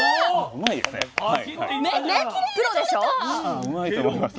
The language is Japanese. あうまいと思います